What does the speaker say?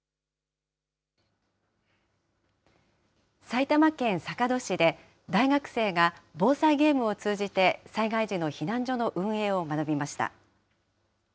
埼玉県坂戸市で、大学生が防災ゲームを通じて災害時の避難所の運営を学びました。